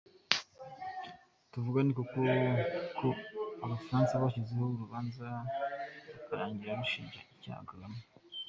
Tuvuge koko ko Abafaransa bashyizeho urubanza rukarangira rushinja icyaha Kagame.